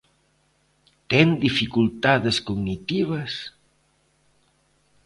Ten dificultades cognitivas?